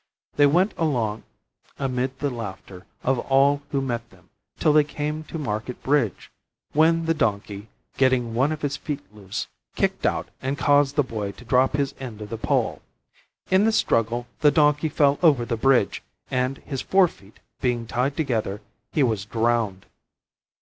They went along amid the laughter of all who met them till they came to Market Bridge, when the Donkey, getting one of his feet loose, kicked out and caused the Boy to drop his end of the pole. In the struggle the Donkey fell over the bridge, and his fore feet being tied together he was drowned.